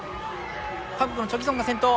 韓国のチョ・ギソンが先頭。